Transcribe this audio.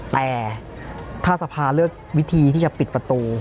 แต่ถ้าสภาเลือกวิธีที่จะปิดประตู